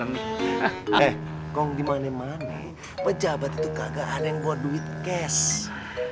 kalo dimana mana pejabat itu kagak ada yang bawa duit cash